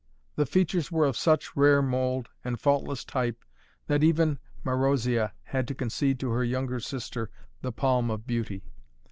The features were of such rare mould and faultless type that even Marozia had to concede to her younger sister the palm of beauty.